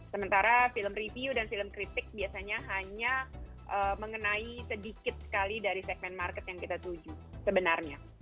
sementara film review dan film kritik biasanya hanya mengenai sedikit sekali dari segmen market yang kita tuju sebenarnya